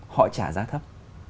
họ trả giá thấp